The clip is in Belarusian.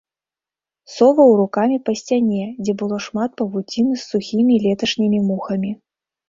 Соваў рукамі па сцяне, дзе было шмат павуціны з сухімі леташнімі мухамі.